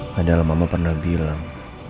padahal mama pernah bilang